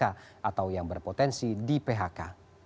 atau yang berpotensi di phk